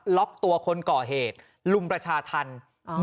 ล็อกตัวคนก่อเหตุลุมประชาธรรม